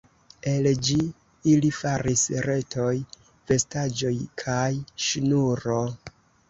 El ĝi ili faris retoj, vestaĵoj, kaj ŝnuro.